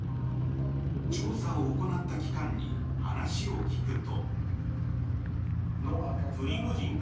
調査を行った機関に話を聞くと。